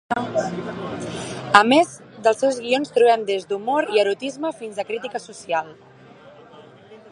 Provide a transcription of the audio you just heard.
A més, als seus guions trobem des d'humor i erotisme fins a crítica social.